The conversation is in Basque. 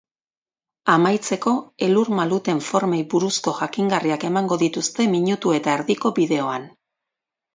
Amaitzeko, elur-maluten formei buruzko jakingarriak emango dituzte minutu eta erdiko bideoan.